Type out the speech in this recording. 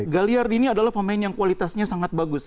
galiardini adalah pemain yang kualitasnya sangat bagus